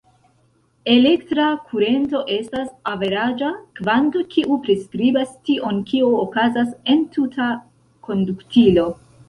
Elektra kurento estas averaĝa kvanto, kiu priskribas tion kio okazas en tuta konduktilo.